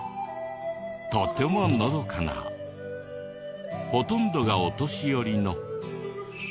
とてものどかなほとんどがお年寄りの現代